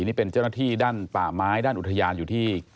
นี่เป็นเจ้าหน้าที่ด้านป่าไม้ด้านอุทยานอยู่ที่